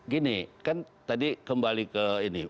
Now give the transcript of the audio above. gini kan tadi kembali ke ini